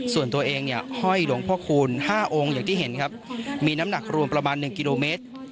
ส่วนตัวเองเนี่ยห้อยหลวงพ่อคูณ๕องค์อย่างที่เห็นครับมีน้ำหนักรวมประมาณ๑กิโลเมตร